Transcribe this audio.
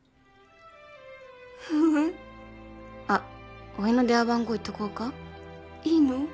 ううんあっおいの電話番号言っとこうかいいの？